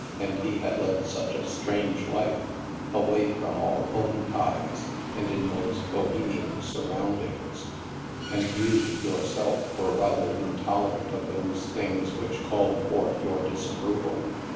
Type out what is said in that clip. And he had led such a strange life, away from all home ties, and in those Bohemian surroundings. And you, yourself, were rather in tolerant of those things which called forth your dis approval.